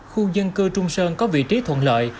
khu dân cư trung sơn có vị trí thuận lợi